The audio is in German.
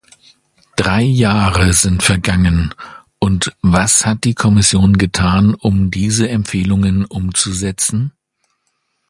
Drei Jahre sind vergangen, und was hat die Kommission getan, um diese Empfehlungen umzusetzen?